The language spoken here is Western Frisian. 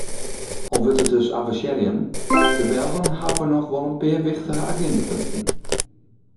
Al wurdt it dus avesearjen, de Belgen hawwe noch wol in pear wichtige agindapunten.